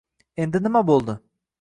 Endi nima bo'ldi?